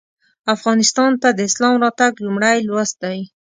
افغانستان ته د اسلام راتګ لومړی لوست دی.